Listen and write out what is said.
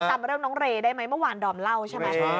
จำเรื่องน้องเรย์ได้ไหมเมื่อวานดอมเล่าใช่ไหม